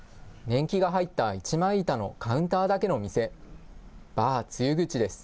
年季が入った一枚板のカウンターだけの店、バー露口です。